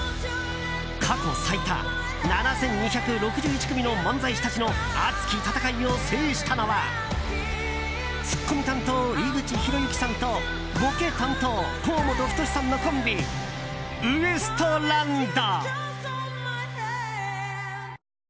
過去最多７２６１組の漫才師たちの熱き戦いを制したのはツッコミ担当・井口浩之さんとボケ担当・河本太さんのコンビウエストランド。